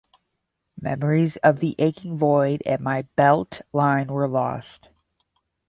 Memories of the aching void at my belt-line were lost.